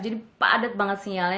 jadi padat banget sinyalnya